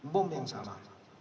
bom yang sama